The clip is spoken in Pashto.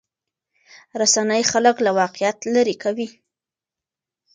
رسنۍ خلک له واقعیت لرې کوي.